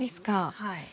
はい。